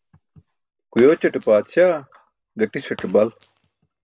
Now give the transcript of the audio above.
Kuyooćate paatsaa, gatiṣate bal.